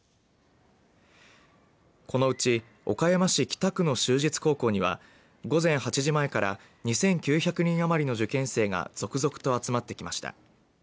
このうち岡山市北区の就実高校には午前８時前から２９００人余りの受験生が続々と集まってきました。